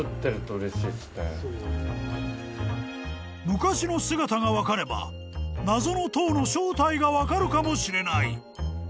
［昔の姿が分かれば謎の塔の正体が分かるかもしれない］